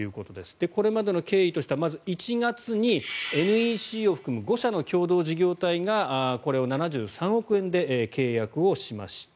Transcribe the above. これまでの経緯としてはまず、１月にＮＥＣを含む５社の共同事業体がこれを７３億円で契約をしました。